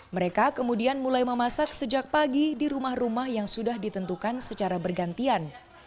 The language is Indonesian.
mereka kemudian mulai memasak sejak pagi di rumah rumah yang sudah ditentukan secara bergantian